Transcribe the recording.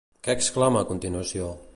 Què exclama a continuació?